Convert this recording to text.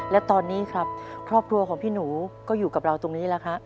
และตอนนี้ครับครอบครัวของพี่หนูก็อยู่กับเราตรงนี้แล้วครับ